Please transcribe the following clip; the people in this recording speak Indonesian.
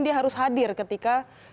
dia harus hadir ketika